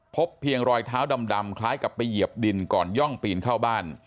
พบเพียงรอยเท้าดำคล้ายกับไปเหยียบดินก่อนย่องปีนเข้าบ้าน